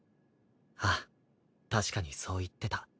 ああ確かにそう言ってた。